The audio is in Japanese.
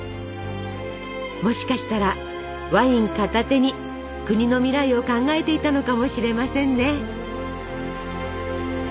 もしかしたらワイン片手に国の未来を考えていたのかもしれませんね。